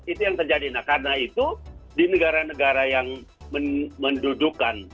itu yang terjadi nah karena itu di negara negara yang mendudukan